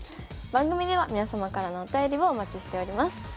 番組では皆様からのお便りをお待ちしております。